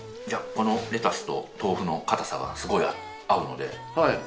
このレタスと豆腐の硬さがすごい合うので。